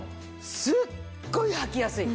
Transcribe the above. すっごいはきやすい！